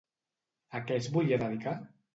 A què es volia dedicar?